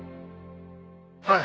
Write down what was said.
はい。